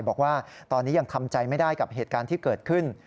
บอกว่าตอนนี้ยังทำใจไม่ได้กับเหตุการณ์ที่เกิดขึ้น